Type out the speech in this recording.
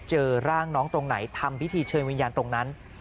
เจอร่างน้องตรงไหนทำพิธีเชิญวิญญาณตรงนั้น